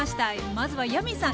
まずはヤミーさん